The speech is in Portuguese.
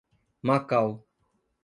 Macau